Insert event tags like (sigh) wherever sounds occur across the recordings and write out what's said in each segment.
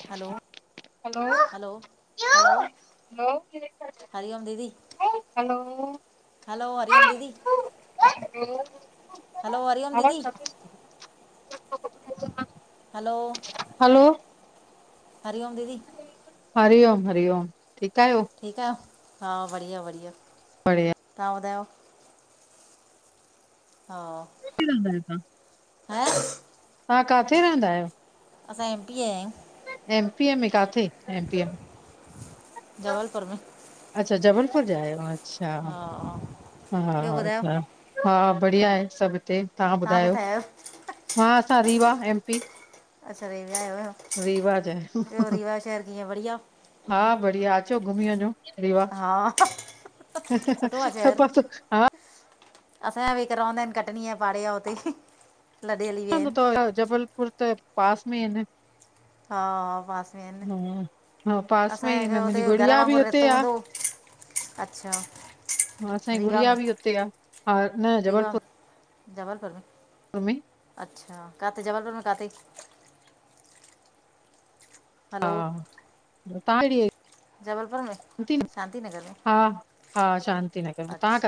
हलो hello -hello हरिओम दीदी। Hello. Hello हरिओम दीदी, हलो हरिओम आवाज़ दीदी। काथे अचे? (unintelligible) हलो, हलो हरिओम दीदी। हरिओम, हरिओम, ठीक आहियो? ठीकु आयो? हां, बढ़िया बढ़िया बढ़िया। तां ॿुधायो? हा। (unintelligible) हा? तां काथे रहंदा आहियो? असां एमपी या आहियूं। एमपीए में काथे? एमपीए में जबलपुर में। अच्छा, जबलपुर जा आहियो, अच्छा हा हा ॿियो हा, ॿुधायो अच्छा। हा बढ़िया आहे सभ हिते, तां तव्हां ॿुधायो? किथे आहियो हां असां रीवा, एमपी अच्छा रीवा आयो, रीवा जा आहियूं ॿियो, रीवा शहर कीअं बढ़िया? हा बढ़िया, अचो घुमी वञो। रीवा, हा सुठो थपस हा असांयां बि हीक रवंदां आहिन, कटनीय पाड़ेया उते। लॾे हली (unintelligible) जबलपुर त, पास में एन। हा पासे एन, हा पास में ई आहिनि असांए मुंहिंजी हुते घर गुड़िया बि वांगुर हुते रिश्तो आ हूंदो ओ। अच्छा, हा असांजी रीवा गुड़िया में, बि हुते आ, हा न रीवा म जबलपुर में। तमे (unintelligible) अच्छा, काथे, जबलपुर में काथे? हा, हलो तां केङिए, जबलपुर में (unintelligible) शांति हां। हा, शांति लाए अच्छ,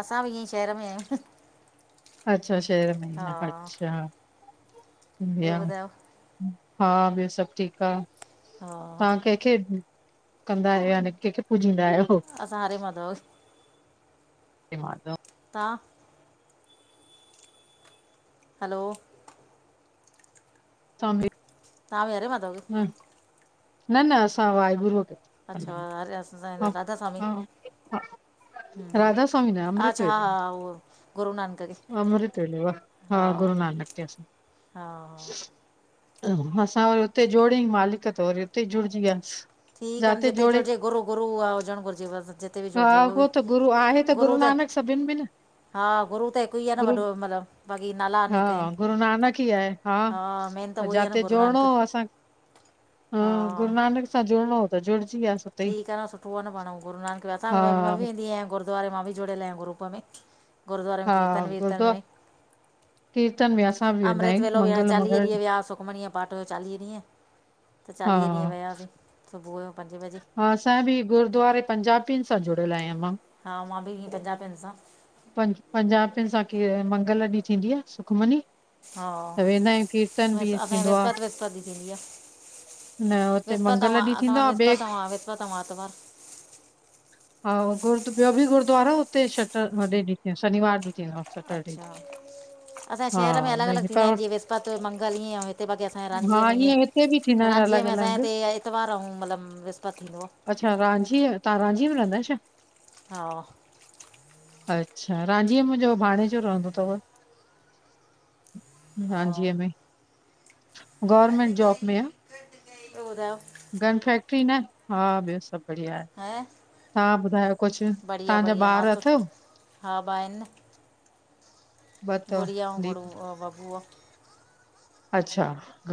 असां ॿि ईअंई शहर में आहियूं अच्छा, शहर हा में अच्छा बियो, ॿियो ॿुधायो हा ॿियो सभ ठीक आ हा तां खे कहिखे कंदा आहियो, यानी कंहिंखे पूजींदा आहियो? हरे माधव हरे माधव तां? हलो साम (inaudible) तांभी हरे माधव न न, असां वाहेगुरूअ खे अच्छा हरे असां ह हिन राधा स्वामी हां हा हम्म राधा स्वामी न, अच्छा हा अमृतवेले हा उहो गुरू नानक खे अमृतवेेले वारा हा गुरु नानक ते असां हा हा असां वरी उते जोड़ियई मालिक, त वरी उते जुड़जी वियास ठीक आ न, जिथे जुड़जे गुरू गुूरु आ हुजण घुरजे बस, जिथे बि जुड़जे उओ बि गुरू ते सभिन में न हा, गुरू त हिक ई आ न गुरू वॾो मतलब, बाक़ी नाला हा अनेक एन। गुरू नानक ई आहे हा, मेन त उई आ न जाते गुरू जोड़णो नानक हो हा उन सां जुङनो हो, त जुड़जी वयासी। ठीक आ न सुठो आ न पाण गुरु नानक सां हा असाबि मां ॿि वेंदी आहियां गुर गुरद्वारे मां बि जुड़्यल आहियां ग्रुप में, गुररुद्वारे में हा कीर्तन वीर्तन गुरुद्वार में कीर्तन में असां बि वेंदा अमृत आहियूं वेलो वया मंगल चालीहे मंगल ॾींहुं। ॾीह व्यास सुखमनी जो पाठ हुयो चालीह ॾीह त हा चालीह ॾींहं वयासीं सुबुह जो पंजे बजे हा असां बि गुरुद्वारे पंजाबीन सां जुड़ियल आहियां मां हा मां बि हिंय पंजाबियन सां पंज पंजाबिन सां मंगल ॾींहुं थींदी आ सुखमनी हा त वेंदा आहियूं कीर्तन बि असां ॾे थींदो विसपत आहे विसपत ॾीह थींदी आ न हुते विसपत अऊ, मंगल ॾींहुं असां थींदो वट आहे ॿिए विसपत अऊ विसपत अऊ आतवार हा गुर ॿियो बि गुरु्वारो आ हुते छछर ॾींहुं, शनिवार ॾींह थीदो आ। अच्छा असांजे शहर में अलॻि भई अलॻि थींदा पर आहिनि जीअं विस्पत मंगल ईअं, ऐं हिते बाक़ी असांजे हा रांझी में हिते बि थींदा ईअं आहिनि रांझि अलॻि में असां अलॻि इते इतवार अऊं मतलब विस्पत थींदो आ अच्छा रांझीअ, तहां रांझी में रहंदा आहियो छा? हा अच्छा रांझी में मुंहिंजो भाणेजो रहंदो तव। रांझी मे गवर्मेंट जॉब में आह ॿियो ॿुधायो गन फैक्ट्री न, हा ॿियो सभु बढ़िया आहे। हां तव्हां ॿुधायो कुझु बढ़िया तव्हांजा बढ़िया ॿार नासतो अथव हा ॿ आहिनि न ॿ अथव गुड़िया अऊं गरू दीप बबूआ। अच्छा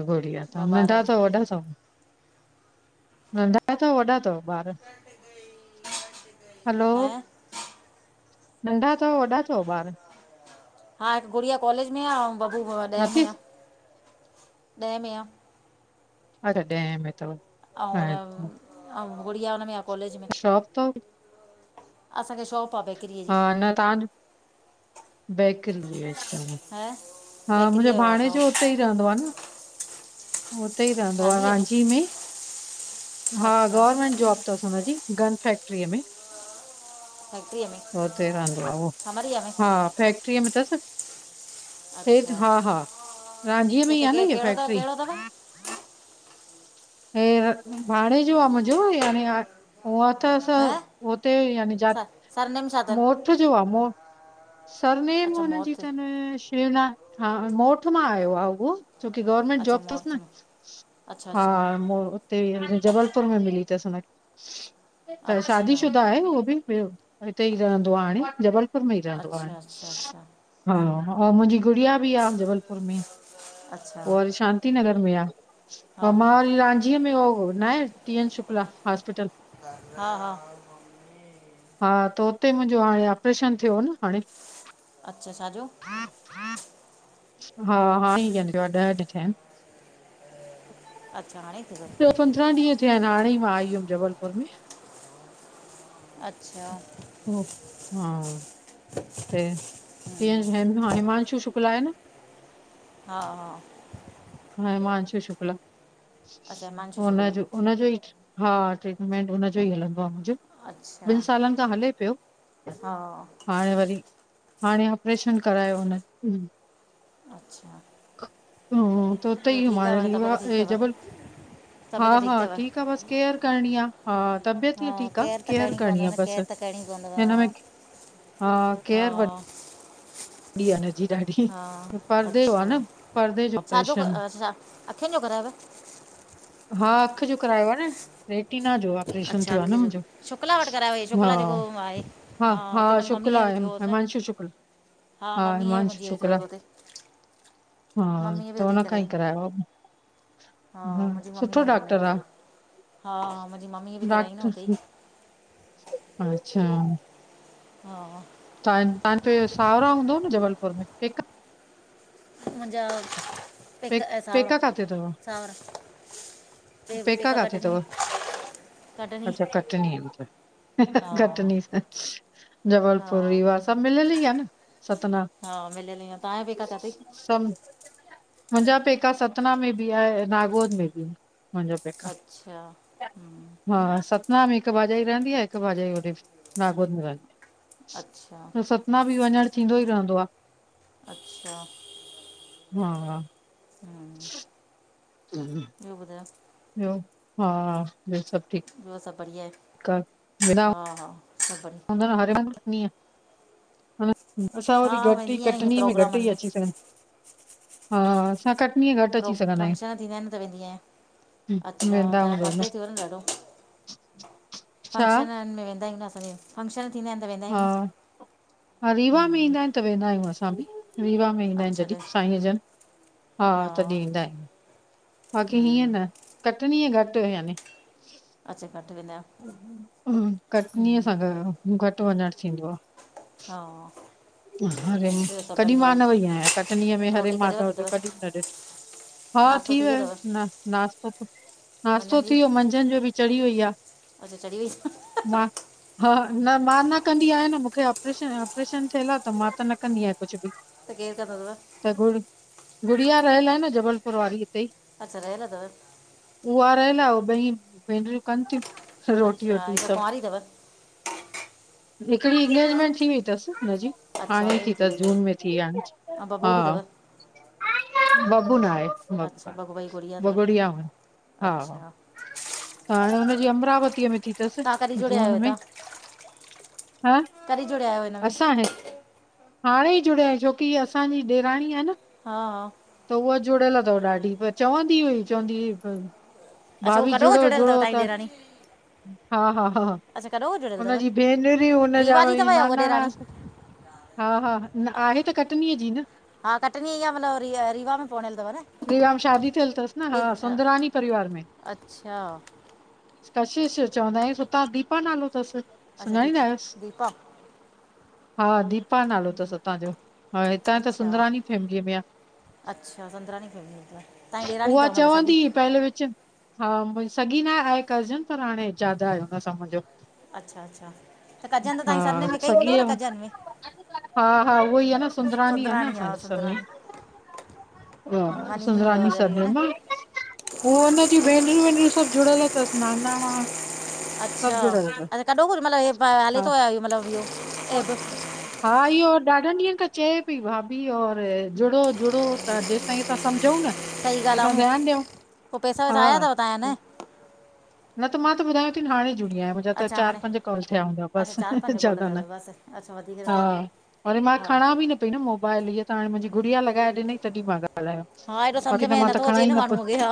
गुड़िया अथव, ॿ ॿार नंढा अथव वॾा आहिनि अथव? नंढा अथव, वॾा अथव? ॿार, हैलो ऐं नंढा अथव वॾा अथव ॿार? हा गुड़िया कॉलेज में आह। आऊं बबू ॾह नथी में आह ॾहें में आ। अच्छा ॾहें में अथव अऊं हुन अच्छा अऊ गुड़िया हुन में आह कॉलेज में। शॉप अथव असांखे शॉप आहे बेकरीअ जी हा न तव्हांज बैकरी अच्छा (unintelligible) हां हा मुंहिंजो भाणेजो उते ई रहंदो आहे न। उते ई रहंदो आह रांची में, हा अच्छा गवरमेंट जॉब तस हुनजी, गन फैक्ट्रीअ में फैक्ट्रीअ में उते ई रहंदो आहे हो, खमरीअ में हा फैक्ट्रीअ में तस। हेठि अच्छा हा हा रांझीअ के में ई त आह के न ईहा कहिड़ो अथव फैक्ट्री? कहिड़ो अथव हे भाणेजो आह मुंहिंजो यानी उह त असां हैं हुते यानी जात सर सरनेम छा अथनि मोथ जो आह मोथ सरनेम अच्छा हुनजी मोर्थ थन शिवना हा मोठ मां आयो आह उहो। छो कि गवर्मेंट अच्छा जॉब थस मोर्थ न, में अच्छा हा अच्छा मो हुते जबलपुर में मिली अथसि हुनखे, त शादी अच्छा शुदा आहे उहो बि ॿियो उते ई रहंदो आहे हाणे, जबलपुर में ई रहंदो आहे अच्छा अच्छा अच्छा। हा, ऐं मुंहिंजी गुड़िया भी आह जबलपुर में। अच्छा ऊअ वरी शांती नगर में आह। ह हा मां हा वरी रांझीअ में हो ना आहे, टी न शुक्ला हॉस्पिटल। हा हा हा। हा त उते मुंहिंजो हाणे ऑपरेशन थियो न हाणे अच्छा, छा जो? हा हा हाणे ई वेंदो आ ॾह ॾींहं थिया आहिनि। (unintelligible) अच्छा हाणे ई थियो थव? ॿियो पंद्रहां ॾींहं थिया आहिनि हाणे ई आई हुअमि जबलपुर में। अच्छा हा (unintelligible) हम्म, तिअं हिमांशु शुक्ला आहे न (unintelligible) हा हा हिमांशु शुक्ला अच्छा हिमांशु शुक्ल उनजो, उनजो ई हा ट्रीटमेंट उनजो ई हलंदो आहे मुंहिंजो। अच्छा ॿिनि सालनि खां हले पियो। हा हाणे वरी, हाणे ऑपरेशन करायो हो न अच्छा त उते ॿियो ई मा ठीकु आहे हाणे री यो तबियत आहे ठीकु अथव जबल (unintelligible) हा तबियत हा ठीकु अथव आहे बसि केयर करणी आ, हा तबियत हा बि ठीकु केर आ त केयर करणी करिणी पवंदव न आहे केर बसि। त करणी पवंदव हा हिन में (unintelligible) हा, केर वरी? हा, परदे जो आहे अच्छा न परदे जो छाजो ऑपरेशन अखिनि जो करायव? (inaudible) हा अखि जो करायो आ न। रेटीना जो ऑपरेशन अच्छा थियो आ अखि न जो मुंहिंजो शुक्ला वटि करायो इहो हा। शुक्ला जेको आहे हा हा, हुते मुंहिंजी शुक्ला मम्मीअ बि आहे, थियो हुअसि न हिमांशु शुक्ला। हा मम्मीअ बि हिमांशू मुंहिंजी थियो शुक्ला हुअसि हुते हा मम्मीअ बि त हुते हुन खां ई करायईं करायो आ। हा, मुंहिंजी मम्मीअ भी हुन आ करे, हा मुंहिंजी मम् डॉक्टर सां अच्छा। हा तां तव्हांजा उ साहुरा हूंदव न जबलपुर में पेका? मुंहिंजा पे पेका ऐं साहुरा पेका काथे अथव सावरा। पेका काथे कटनीअ। अथव कटनी अच्छा कटनी में तव, हा कटनी जबल हा पुर, रीवा सभु मिल्यल ई आ न सतना। हा मिलियल ई आहे तव्हांजा पेका किथे मुंहिंजा पेका सतना में बि आहे, नागोद में बि आहे मुंहिंजा पेका अच्छा ठीक हम्म आ, हा सत् ना में हिकु भाॼाई रहंदी आ, हिकु भाॼाई होॾे नागोद में रहंदी अच्छा आहे त सतना बि वञण थींदो ई रहंदो आ, अच्छा हा। हम्म (inaudible) ह (inaudible) ॿियो ॿुधायो? ॿियो, हा ॿियो सभु ठीकु? ॿियो सभु बढ़िया आहे। कर विना हा हा सभ बढ़िया। न न हरे हंधि इयं हा न असां वरी हा घटि वेंदी ई आहियां ईअं कटनीअ में घटि प्रोग्रामनि ई अची सघनि हा हा कटनी घट फ्रो फंक्शन थींदा आहिनि त वेंदी आहियां, आहियूं अच्छा वेंदा तव्हांजा हूंदव परते थी वियो न ॾाढो। छा फंक्शननि में वेंदा आहियूं न, असांजे फंक्शन थींदा आहिनि। त वेंदा हा आहियूं न हा रीवा में हम्म ईंदा आहिनि त वेंदा आहियूं, असां बि रीवा वेंदा आहिनि अच्छा जॾहिं ॾे साईं जन, हा तॾहिं ईंदा आहिनि। बाक़ी हीअं हम्म न, कटनीअ घटि यानी। अच्छा, घटि वेंदा आहियो। कटनी असां हम्म जो, घटि वञणु थींदो आ। हा। हरे ॿियो सभु कॾहिं बढ़िया मां न आहे वई आहियां, कटनीअ में हरे रोटी करे माधव वरिती अथव जो कॾहिं बि न ॾिठो हा थी वियो ना नाश्तो नाश्तो थी मंझंदि जी वियो, मंझंदि जो बि चढ़ी वई आ। अच्छा चढ़ी वई मां हा न मां न कंदी आहियां न, मूंखे ऑपरेशन ऑपरेशन थियल आ। त मां त न कंदी आहियां कुछ बि। त केरु कंदो तव? त गुड़ गुड़िया रहियल आ न, जबलपुर वारी हिते ई। अच्छा रहियल अथव? उहा रहियल आह, उ ॿई भेनरियूं कनि थियूं रोटी अच्छा वोटी हिकु सभु। कुंवारी अथव हिकिड़ी इंगेजमेंट थी वई अथसि हुनजी। अच्छा हाणे हुन ई जी थी, बि अथसि वई जून में थी आह। ऐं बबू बि हा अथव बबू न आहे। अच्छा बबू भाई गुड़िया ॿ अथव गुड़ियाऊं आहिनि। अच्छा त हाणे हुनजी अमरावतीअ में थी। अथसि तव्हां कॾहिं जुड़िया जून आहियो में हितां ह कॾहिं जुड़िया आहियो हिन में असां हाणे ई जुड़िया छोकी असांजी ॾेराणी आह न हा हा त उहा जुड़ियल अथव ॾाढी पर चवंदी हुई चवंदी हुई अच्छा उहो भाभी कॾोह जुड़ो जुड़ियल अथव जुड़ो तव्हांजी त ॾेराणी हा हा हा हा अच्छा कॾोह जुड़ियल अथव हुनजी भेनरियूं ऐं हुनजा रीवा जी वरी अथव या उहा नानाणा ॾेराणी (unintelligible) हा हा न आहे त कटनीअ जी न। हा कटनी इहा मतलब री रीवा में परिणियल अथव न? रीवा में शादी थियल अथसि न हा इहे सुंदरानी परिवार में अच्छा कशिश चवंदा आहियुसि हुतां दीपा नालो तस। अच्छा सुञाणींदा दीपा आहियोसि? दीपा हा दीपा दीपा नालो अथसि उतां जो। हा हितां त अच्छा सुंदरानी फैमिली में आह। अच्छा सुंदराणी फैमिली मां तव्हांं जी ॾेराणी अथव मतलबु सॻी। पहल विचु हा मुंहिंजी सॻी न आहे, आहे कज़न पर हाणे ज्यादा आहे, हुन सां मुंहिंजो। अच्छा अच्छा त कज़न त हा तव्हांजी सरनेमु हिक ई हूंदव सॻीअ न कज़न में हा हा उहा ई आहे न सुंदरानी आहे न सुंदराणी हा असांजे सुंदराणी सरनेमु। मां हां ॾींदी हूंदव सुंदरानी ऑर्डर इहो न सरनेमु आ। उहे हुन जी भेनरियूं वेनरियूं सभु जुड़ियल अथसि नानाणा। सभु अच्छा जुड़ियल अथसि कॾो को मतलबु हले हा तो मतलबु इहो ऐपु? हा इहो ॾाढनि ॾींहंनि त चए पई भाभी और जुड़ो जुड़ो त जेसि ताईं असां समुझूं न। सही ॻाल्हि तेसां आहे आ ध्यानु ॾियूं पोइ पैसा वैसा आया हा अथव तव्हां वटि न। न त मां त ॿुधायां थी न, हाणे जुड़ी आहियां। न त अच्छा चारि हाणे पंज कॉल थिया हूंदा, अच्छा बसि चारि पंज कॉल ज्यादा अथव न बसि अच्छा वधीक न हा थिया अथव वरी मां हा खणा बि न हिन मोबाइल हीअ त हाणे मुंहिंजी गुड़िया लॻाए ॾिनई तॾहिं मां (unintelligible) ॻाल्हायो हा एॾो सम्झ बाक़ी में त मां त नथो खणा अचे ई न पई। माण्हूअ खे हा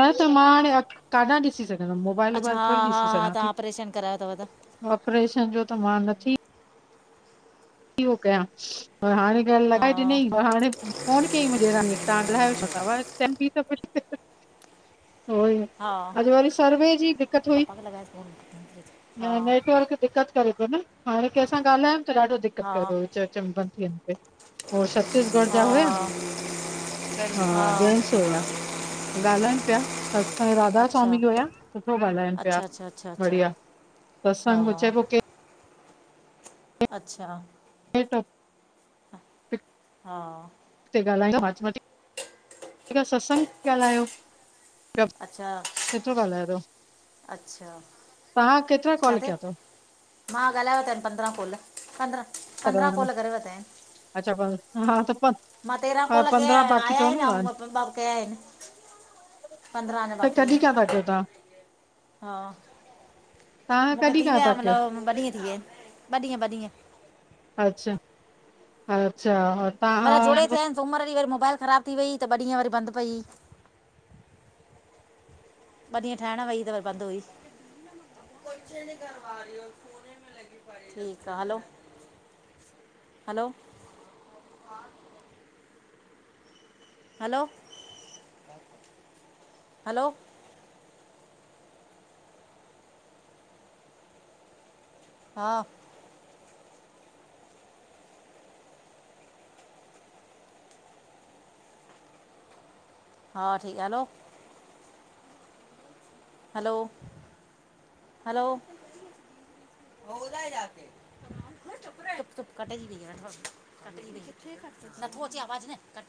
न त मां हाणे कान ॾिसी सघ मोबाइल अच्छा वोबाइल हा थोरी हा ॾिसी हा सघां थी। तव्हां ऑपरेशन करायो अथव त ऑपरेशन जो त मां नथी छो थी हू कयां पर हाणे हा लॻाए ॾिनई पर हाणे फोन कई मुंहिंजी ॾेराणीअ तव्हां ॻाल्हाया छो था। (inaudible) उहो हा आ। अॼु वरी सर्वे जी दिक़त हुई पप्पा खे लॻाइसि फोन हा ऐं नेटवर्क दिक़त करे पियो न हाणे कंहिंसां ॻाल्हायुमि त, ॾाढो दिक़त हा करे पयो विच विच में बंद थी पियो। हो छत्तीसगढ़ जा हा हुया, हा! जेन्स हुया। ॻाल्हाइनि पया स स ताईं राधा अच्छा स्वामी हुया, सुठो ॻाल्हाइण अच्छा पया अच्छा अच्छा अच्छा बढ़िया। हा सतसंग चए पोइ के अच्छा (unintelligible) टॉपिक हा (unintelligible) अच्छा केतरो ॻाल्हायो तव? अच्छा तांहा केतिरा कॉल किथे कयां तव? मां ॻाल्हाए वरता आहिन पंद्रहं काॅल, पंद्रहं- अथव पंद्रहं हिन में काॅल करे वरिता आहिन। अच्छा प हा त प मां तेरहां हा काॅल कयां पंद्रहं बाक़ी आया अथव आहिन, न अऊं तव्हां ॿ कया आहिन। त कॾह (unintelligible) हा तव्हां मूंखे कॾहिं थी खां विया था कयो मतलबु, ॿ ॾींहुं थी विया आहिन, ॿ ॾींहुं ॿ ॾींहुं। अच्छा- अच्छा! और तां सुमिर ॾीं वरि मोबाइल ख़राब थी वई, त ॿ ॾींहं वरि बंद पई। ॿ ॾीयं ठहणु वई त, पर बंद हुई। ठीकु आ, हलो। हलो? Hello- hello? हाॅ हा, ठीकु हलो? Hello -hello? होदा जके (unintelligible) तू चुप रे, चुप- चुप कटे जी वई आ, कट जी वई, कित्थे कट? न थो अचे आवाज न, कट।